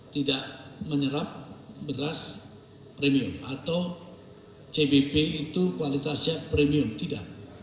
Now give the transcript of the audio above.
tidak menyerap beras premium atau cbp itu kualitasnya premium tidak